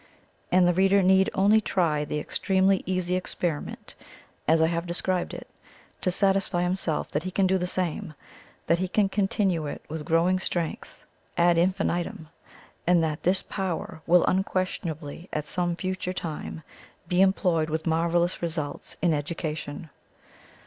And the reader need only try the extremely easy experiment, as I have described it, to satisfy himself that he can do the same, that he can continue it with growing strength ad infinitum, and that this power will unquestionably at some future time be employed with marvellous results in Education.